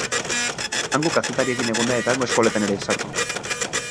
Hango kazetariekin egon da eta hango eskoletan ere sartu da.